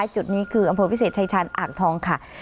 จุดนี้คืออำเภอวิเศษชายชาญอ่างทองค่ะ